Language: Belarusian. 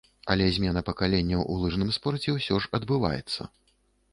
Але змена пакаленняў у лыжным спорце ўсё ж адбываецца.